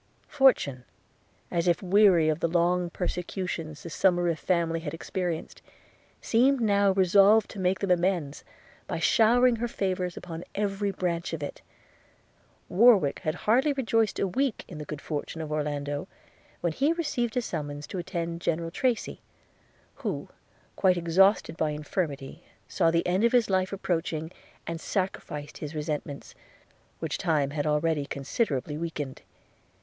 Fortune, as if weary of the long persecutions the Somerive family had experienced, seemed now resolved to make them amends by showering her favours upon every branch of it. Warwick had hardly rejoiced a week in the good fortune of Orlando, when he received a summons to attend General Tracy; who, quite exhausted by infirmity, saw the end of his life approaching, and sacrificed his resentment, which time had already considerably weakened.